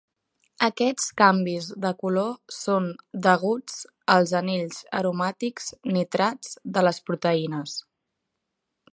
Aquests canvis de color són deguts als anells aromàtics nitrats de les proteïnes.